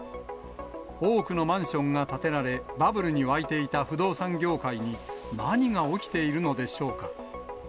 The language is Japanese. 多くのマンションが建てられ、バブルに沸いていた不動産業界に、何が起きているのでしょうか。